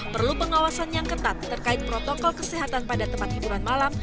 perlu pengawasan yang ketat terkait protokol kesehatan pada tempat hiburan malam